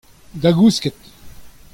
Da gousket !